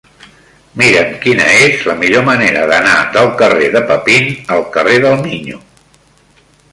Mira'm quina és la millor manera d'anar del carrer de Papin al carrer del Miño.